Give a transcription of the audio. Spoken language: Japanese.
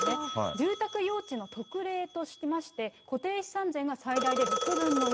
住宅用地の特例としまして、固定資産税が最大で６分の１。